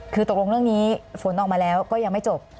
คือตกลงเรื่องนี้ฝนออกมาแล้วก็ยังไม่จบ